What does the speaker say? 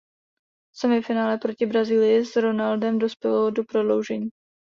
Semifinále proti Brazílii s Ronaldem dospělo do prodloužení.